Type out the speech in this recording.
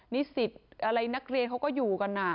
นิสิตอะไรนักเรียนเขาก็อยู่กัน